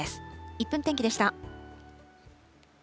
１分天気でした。